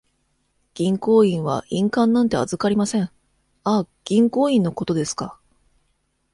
銀行員は印鑑なんて預かりません。あ、銀行印のことですか。